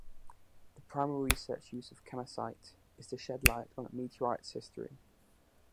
The primary research use of kamacite is to shed light on a meteorite's history.